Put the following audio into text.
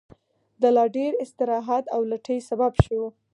د لا ډېر استراحت او لټۍ سبب شو.